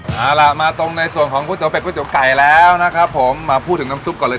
เอาล่ะมาตรงในส่วนของก๋วยเตี็ไก่แล้วนะครับผมมาพูดถึงน้ำซุปก่อนเลย